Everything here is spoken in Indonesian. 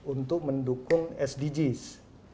untuk mendukung sdgs